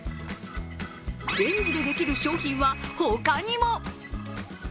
レンジでできる商品は他にも！